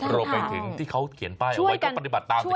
รวมไปถึงที่เขาเขียนป้ายเอาไว้ก็ปฏิบัติตามใช่ไหม